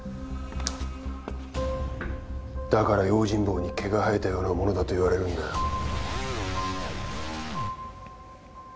だから用心棒に毛が生えたようなものだと言われるんだよ。